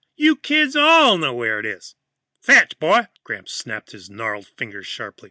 You kids all know where it is. Fetch, boy!" Gramps snapped his gnarled fingers sharply.